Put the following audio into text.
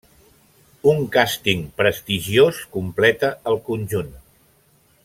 Un càsting prestigiós completa el conjunt.